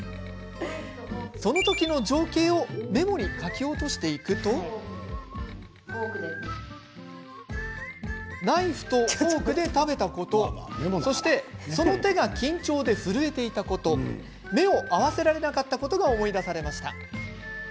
その時の情景をメモに書き落としていくとナイフとフォークで食べたことそしてその手が緊張で震えていたこと目を合わせられなかったことが思い出されました。